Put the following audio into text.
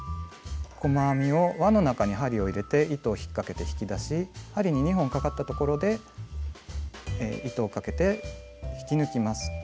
細編みを輪の中に針を入れて糸を引っかけて引き出し針に２本かかったところで糸をかけて引き抜きます。